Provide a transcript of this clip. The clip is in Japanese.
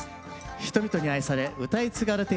人々に愛されうたい継がれている民謡。